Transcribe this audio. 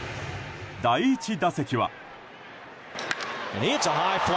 第１打席は。